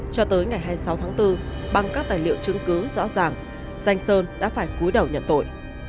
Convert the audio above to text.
cho tới ngày hai mươi sáu tháng bốn bằng các tài liệu chứng cứ rõ ràng danh sơn đã phải cuối đầu nhận tội